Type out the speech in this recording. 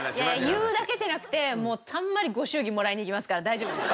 言うだけじゃなくてたんまりご祝儀もらいに行きますから大丈夫です。